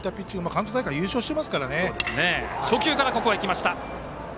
関東大会、優勝していますからね。